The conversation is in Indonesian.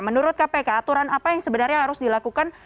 menurut kpk aturan apa yang sebenarnya harus dilakukan